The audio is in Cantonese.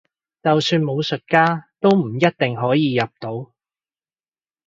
就算武術家都唔一定可以入到